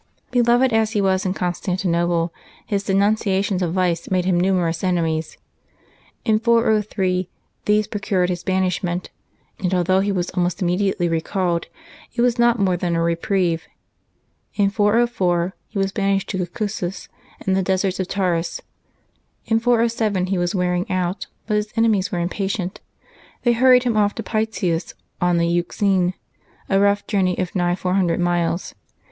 ^' Beloved as he was in Constantinople, his denuncia tions of vice made him numerous enemies. In 403 these procured his banishment ; and although he was almost im mediately recalled, it was not more than a reprieve. In 404 he was banished to Cucusus in the deserts of Taurus. In 407 he was wearing out, but his enemies were impatient. They hurried him off to Pytius on the Euxine, a rough journey of nigh 400 miles.